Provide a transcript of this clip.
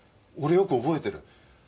俺よく覚えてる。